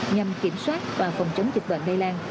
nhằm kiểm soát và phòng chống dịch bệnh đầy lan